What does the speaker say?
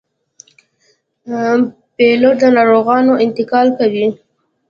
پیلوټ د ناروغانو انتقال کوي.